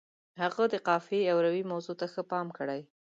هغه د قافیې او روي موضوع ته ښه پام کړی.